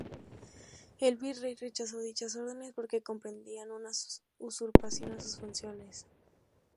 El virrey rechazó dichas órdenes, porque comprendían una usurpación a sus funciones.